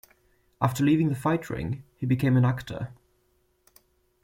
After leaving the fight ring, he became an actor.